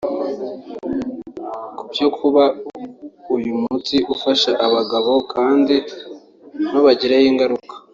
Ibyo kuba uyu muti ufasha abagabo kandi ntubagireho ingaruka